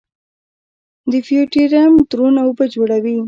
د فیوټیریم دروند اوبه جوړوي.